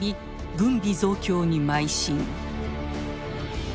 軍備増強に邁進。